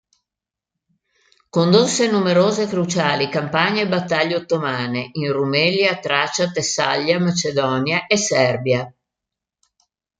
Condusse numerose cruciali campagne e battaglie ottomane in Rumelia, Tracia, Tessaglia, Macedonia e Serbia.